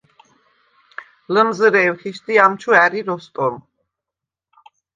ლჷმზრე̄ვ ხიშდ ი ამჩუ ა̈რი როსტომ.